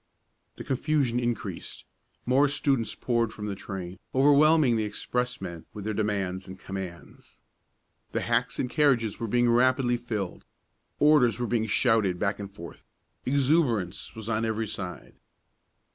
The confusion increased. More students poured from the train, overwhelming the expressmen with their demands and commands. The hacks and carriages were being rapidly filled. Orders were being shouted back and forth. Exuberance was on every side.